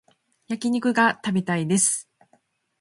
焼き肉が食べたいです